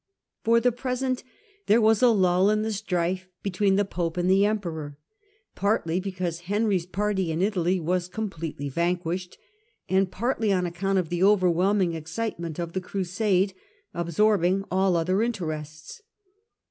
For the present there was a lull in the strife between the pope and the emperor, partly because Henry's party in Italy was completely vanquished, and partly on account of the overwhelming excitement of the crusade, absorbing all other interests.